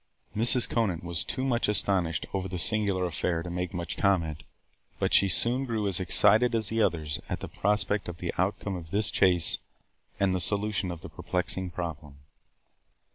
Mrs. Conant was too much astonished over the singular affair to make much comment, but she soon grew as excited as the others at the prospect of the outcome of this chase and the solution of the perplexing problem.